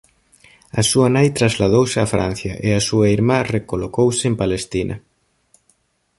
A súa nai trasladouse a Francia e a súa irmá recolocouse en Palestina.